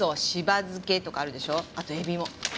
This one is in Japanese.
あとえびも。